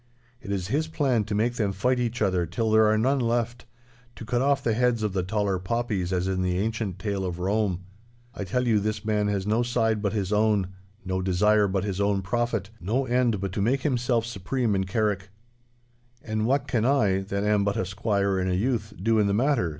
It is his plan to make them fight each other till there are none left—to cut off the heads of the taller poppies as in the ancient tale of Rome. I tell you this man has no side but his own, no desire but his own profit, no end but to make himself supreme in Carrick.' 'And what can I, that am but a squire and a youth, do in the matter?